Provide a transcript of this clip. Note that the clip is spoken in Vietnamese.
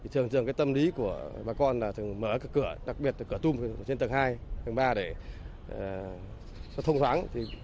thường thường tâm lý của bà con là thường mở cửa đặc biệt là cửa tung trên tầng hai tầng ba để cho thông thoáng